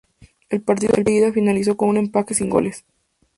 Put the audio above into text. El partido de ida finalizó con un empate sin goles.